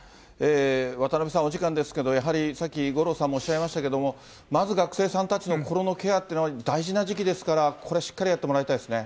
渡邉さん、お時間ですけど、やはりさっき五郎さんもおっしゃいましたけれども、まず学生さんたちの心のケアというのが大事な時期ですから、これはしっかりやってもらいたいですね。